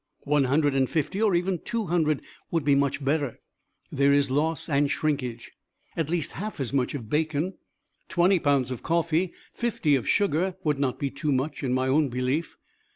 One hundred and fifty or even two hundred would be much better there is loss and shrinkage. At least half as much of bacon, twenty pounds of coffee, fifty of sugar would not be too much in my own belief.